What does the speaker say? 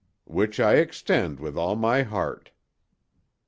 "Which I extend with all my heart."